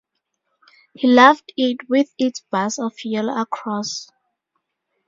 He loved it with its bars of yellow across.